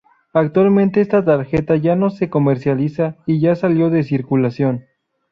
Actualmente esta tarjeta ya no se comercializa y ya salió de circulación.